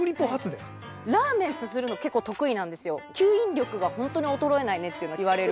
ラーメンすするの結構得意なんですよ、吸引力が衰えないねってよく言われる。